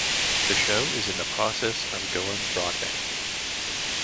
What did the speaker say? The show is in the process of going Broadband.